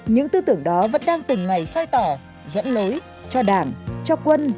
những tư tưởng đó vẫn đang từng ngày soi tỏ dẫn lối cho đảng cho quân